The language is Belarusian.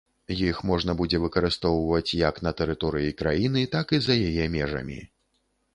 Іх можна будзе выкарыстоўваць як на тэрыторыі краіны, так і за яе межамі.